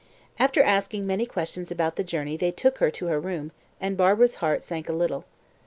After asking many questions about the journey they took her to her room, and Barbara's heart sank a little.